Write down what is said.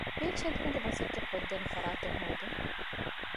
ބީޗްހެދުމުގެ މަސައްކަތް ކޮށްދޭނެ ފަރާތެއް ހޯދުން